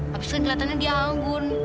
habis kan kelihatannya dia anggun